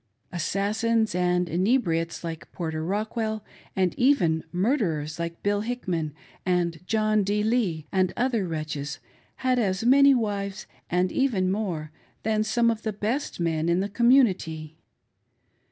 Assassins and inebriates like Porter Rockwell, and even murderers like Bill Hickman and John D. Lee, and other wretches, had as many wives, and even more, than some of the best men in the community.